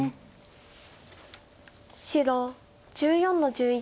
白１４の十一。